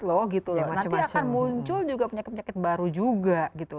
nanti akan muncul penyakit penyakit baru juga